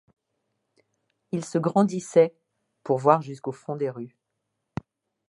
Il se grandissait, pour voir jusqu’au fond des rues.